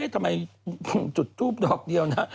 ทำไมจุดทูปดอกเดียวนะ